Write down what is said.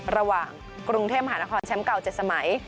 ระหว่างกรุงเทพมหานครแชมป์เก่า๗สมัย